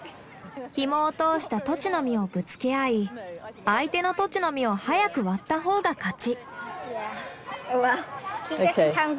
ヒモを通したトチの実をぶつけ合い相手のトチの実を早く割った方が勝ち。